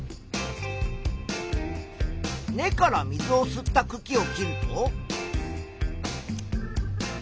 根から水を吸ったくきを切ると。